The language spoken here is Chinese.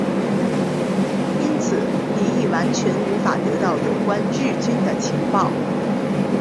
因此李镒完全无法得到有关日军的情报。